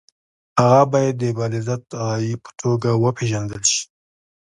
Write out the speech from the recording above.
هغه باید د بالذات غایې په توګه وپېژندل شي.